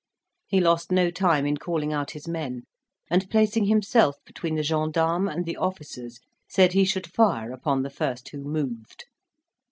He lost no time in calling out his men, and, placing himself between the gensdarmes and the officers, said he should fire upon the first who moved.